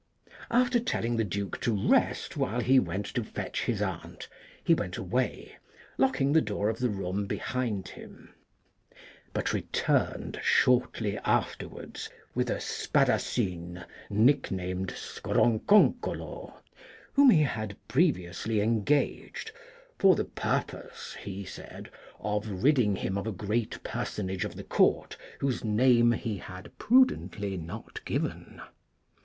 After telling the Duke to rest whilst he went to fetch his aunt, he went away, locking the door of the room behind him ; but returned shortly after APPENDIX, 221 wards with a spadassin, nicknamed Scoronconcolo, whom he had previously engaged, for the purpose, he said, of ridding him of a great personage of the Court whose name he had prudently not given.